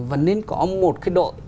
và nên có một cái đội